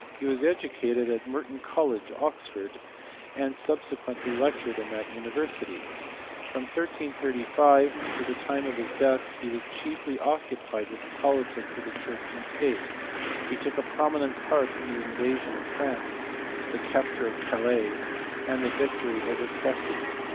He was educated at Merton College, Oxford, and subsequently lectured in that university. From 1335 to the time of his death he was chiefly occupied with the politics of the church and state : he took a prominent part in the invasion of France, the capture of Calais, and the victory of Cressy.